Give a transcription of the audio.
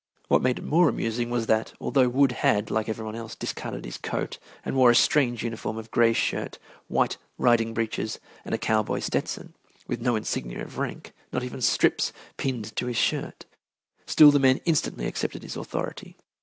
What made it more amusing was that, although Wood had, like every one else, discarded his coat and wore a strange uniform of gray shirt, white riding breeches, and a cowboy Stetson, with no insignia of rank, not even straps pinned to his shirt, still the men instantly accepted his authority.